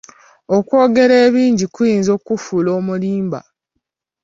Okwogera ebingi kuyinza okukufuula omulimba.